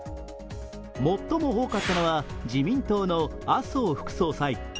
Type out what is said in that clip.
最も多かったのは自民党の麻生副総裁。